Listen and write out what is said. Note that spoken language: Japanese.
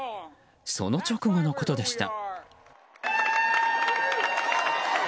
その直後のことでした。